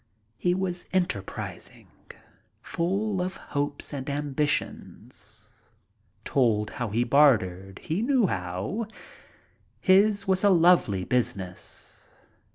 He was enterprising, full of hopes and ambitions. Told how he bartered. He knew how. His was a lovely business.